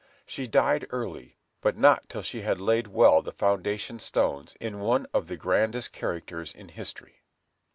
She died early, but not till she had laid well the foundation stones in one of the grandest characters in history.